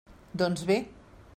Doncs bé.